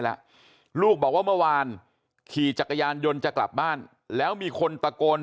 แล้วลูกบอกว่าเมื่อวานขี่จักรยานยนต์จะกลับบ้านแล้วมีคนตะโกน